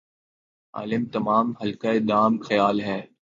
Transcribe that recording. عالم تمام حلقہ دام خیال ھے